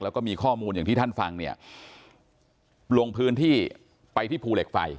แล้วก็มีข้อมูลอย่างที่ท่านฟังเนี่ยลงพื้นที่ไปที่ภูเหล็กไฟ